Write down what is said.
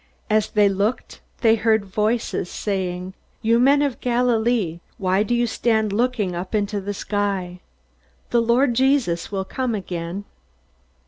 As they looked, they heard voices saying: "You men of Galilee, why do you stand looking up into the sky? The Lord Jesus will come again!"